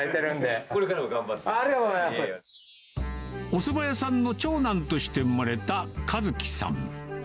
おそば屋さんの長男として生まれた和樹さん。